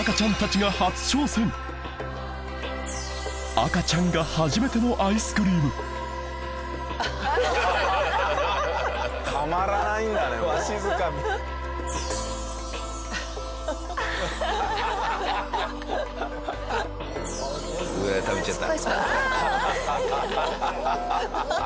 赤ちゃんがうわあ食べちゃった。